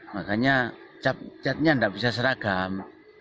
makanya capnya tidak bisa seragam